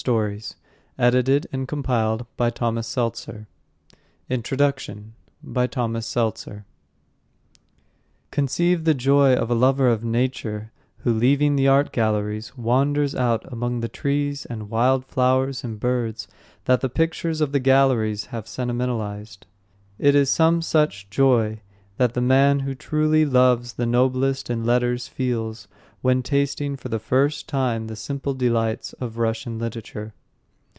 Andreyev_ THE REVOLUTIONIST M.P. Artzybashev THE OUTRAGE A.I. Kuprin INTRODUCTION Conceive the joy of a lover of nature who, leaving the art galleries, wanders out among the trees and wild flowers and birds that the pictures of the galleries have sentimentalised. It is some such joy that the man who truly loves the noblest in letters feels when tasting for the first time the simple delights of Russian literature.